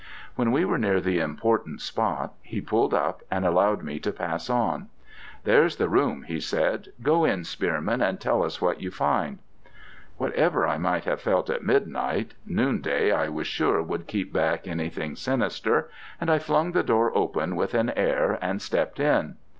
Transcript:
When we were near the important spot, he pulled up, and allowed me to pass on. 'There's the room,' he said. 'Go in, Spearman, and tell us what you find.' Whatever I might have felt at midnight, noonday I was sure would keep back anything sinister, and I flung the door open with an air and stepped in.